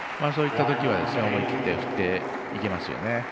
そういったときは思い切って振っていけますよね。